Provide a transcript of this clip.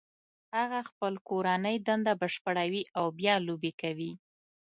هغه خپل کورنۍ دنده بشپړوي او بیا لوبې کوي